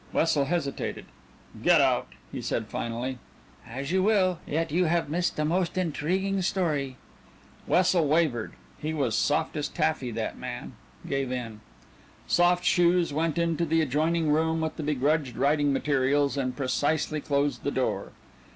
Wessel hesitated. "Get out!" he said finally. "As you will. Yet you have missed a most intriguing story." Wessel wavered he was soft as taffy, that man gave in. Soft Shoes went into the adjoining room with the begrudged writing materials and precisely closed the door.